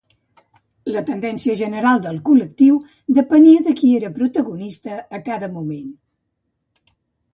La tendència general del col·lectiu depenia de qui era protagonista a cada moment.